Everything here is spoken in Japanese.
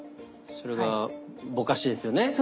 それがぼかしですよね？